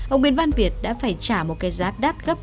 ông nguyên văn việt đã phải trả một cái giá đắt gấp nhiều lần